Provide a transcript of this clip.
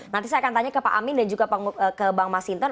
nanti saya akan tanya ke pak amin dan juga ke bang masinton